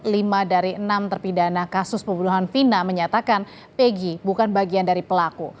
lima dari enam terpidana kasus pembunuhan vina menyatakan pegi bukan bagian dari pelaku